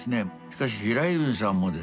しかし平泉さんもですね